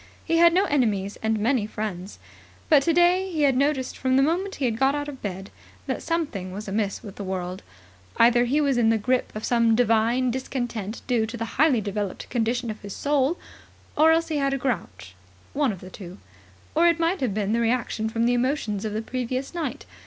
He had no enemies and many friends. But today he had noticed from the moment he had got out of bed that something was amiss with the world. Either he was in the grip of some divine discontent due to the highly developed condition of his soul, or else he had a grouch. One of the two. Or it might have been the reaction from the emotions of the previous night.